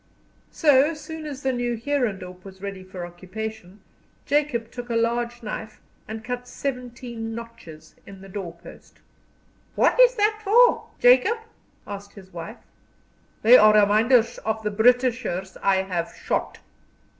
So soon as the new Heerendorp was ready for occupation, Jacob took a large knife and cut seventeen notches in the doorpost. "What is that for, Jacob?" asked his wife. "They are reminders of the Britishers I have shot."